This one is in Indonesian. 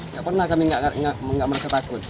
tidak pernah kami tidak merasa takut